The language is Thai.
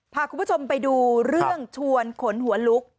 พาคุณผู้ชมไปดูเรื่องชวนขนหัวลุก